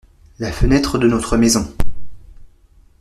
La fenêtre de notre maison.